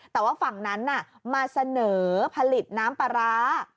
แต่ว่าฝั่งนั้นมาเสนอผลิตน้ำปลาร้า